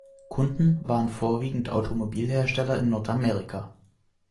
Kunden waren vorwiegend Automobilhersteller in Nordamerika.